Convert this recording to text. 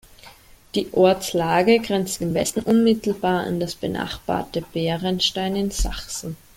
Die Ortslage grenzt im Westen unmittelbar an das benachbarte Bärenstein in Sachsen.